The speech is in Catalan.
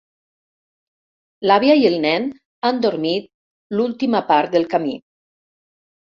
L'àvia i el nen han dormit l'última part del camí.